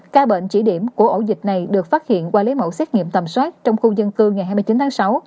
ca bệnh chỉ điểm của ổ dịch này được phát hiện qua lấy mẫu xét nghiệm tầm soát trong khu dân cư ngày hai mươi chín tháng sáu